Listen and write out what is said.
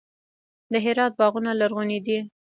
د هرات باغونه لرغوني دي.